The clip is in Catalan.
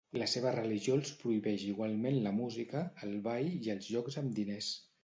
La seva religió els prohibeix igualment la música, el ball i els jocs amb diners.